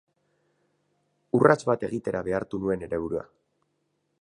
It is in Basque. Urrats bat egitera behartu nuen neure burua.